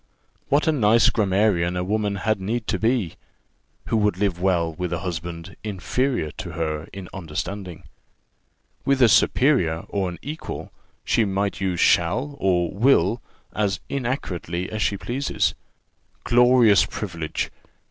What a nice grammarian a woman had need to be, who would live well with a husband inferior to her in understanding! With a superior or an equal, she might use shall and will as inaccurately as she pleases. Glorious privilege!